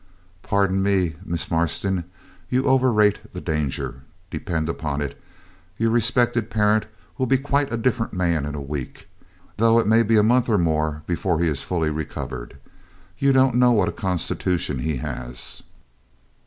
'Pardon me, Miss Marston; you overrate the danger. Depend upon it, your respected parent will be quite a different man in a week, though it may be a month or more before he is fully recovered. You don't know what a constitution he has.'